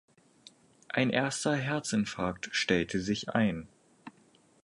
Ein erster Herzinfarkt stellte sich ein.